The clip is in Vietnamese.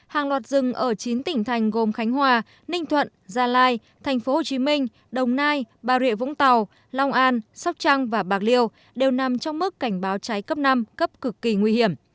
hàng loạt rừng ở chín tỉnh thành gồm khánh hòa ninh thuận gia lai tp hcm đồng nai bà rịa vũng tàu long an sóc trăng và bạc liêu đều nằm trong mức cảnh báo cháy cấp năm cấp cực kỳ nguy hiểm